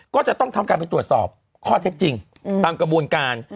ก็จะต้องทำการไปตรวจสอบข้อเท็จจริงตามกระบวนการ